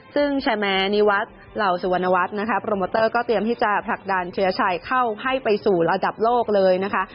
ซึ่งชายแม้นิวัฒน์เหล่าสุวรรณวัฒน์นะคะโปรโมเตอร์ก็เตรียมที่จะผลักดันเชื้อชัยเข้าให้ไปสู่ระดับโลกเลยนะคะ